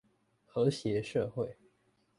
和諧社會